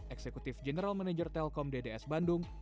eksekutif general manager telkom dds bandung